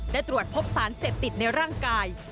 ได้ตรวจพกษารเสร็จติดในร่างกาย